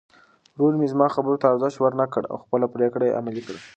ورور مې زما خبرو ته ارزښت ورنه کړ او خپله پرېکړه یې عملي کړه.